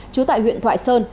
trú tại huyện thoại sơn